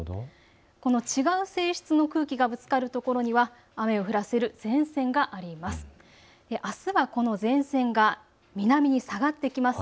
この違う性質の空気がぶつかる所には雨を降らせる前線があります。